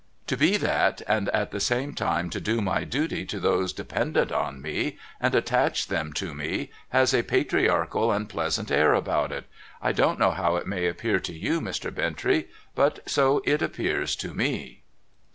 To be that, and at the same time to do my duty to those dependent on me, and attach them to me, has a patriarchal and pleasant air about it. I don't know how it may appear to you, Mr. Bintrey, but so it appears to me.'